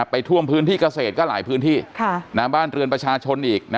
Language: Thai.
ไปท่วมพื้นที่เกษตรก็หลายพื้นที่บ้านเรือนประชาชนอีก